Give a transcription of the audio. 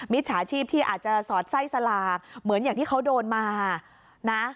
จฉาชีพที่อาจจะสอดไส้สลากเหมือนอย่างที่เขาโดนมานะ